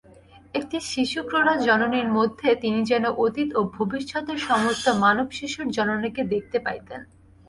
একটি শিশুক্রোড়া জননীর মধ্যে তিনি যেন অতীত ও ভবিষ্যতের সমস্ত মানবশিশুর জননীকে দেখিতে পাইতেন।